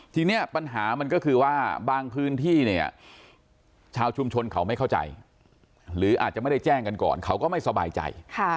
ทีนี้ปัญหามันก็คือว่าบางพื้นที่เนี่ยชาวชุมชนเขาไม่เข้าใจหรืออาจจะไม่ได้แจ้งกันก่อนเขาก็ไม่สบายใจ